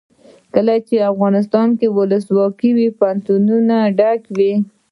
کله چې افغانستان کې ولسواکي وي پوهنتونونه ډک وي.